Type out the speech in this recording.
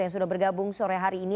yang sudah bergabung sore hari ini